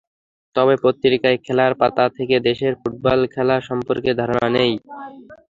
তবে পত্রিকায় খেলার পাতা থেকে দেশের ফুটবল খেলা সম্পর্কে ধারণা নিই।